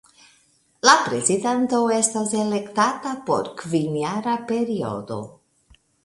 La prezidanto estas elektata por kvinjara periodo.